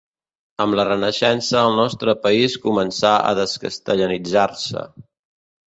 Amb la Renaixença el nostre país començà a descastellanitzar-se.